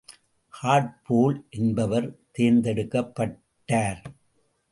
காட்போல் என்பவர் தேர்ந்தெடுக்கப்பட்டார்.